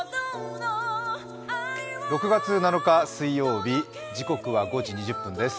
６月７日水曜日、時刻は５時２０分です。